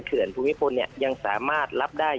เขื่อนภูมิฝนเนี่ยยังสามารถรับได้